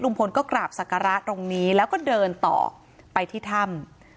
พลก็กราบศักระตรงนี้แล้วก็เดินต่อไปที่ถ้ำ